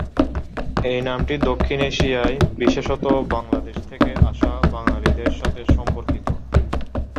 এই নামটি দক্ষিণ এশিয়ায়, বিশেষত বাংলাদেশ থেকে আসা বাঙালিদের সাথে সম্পর্কিত।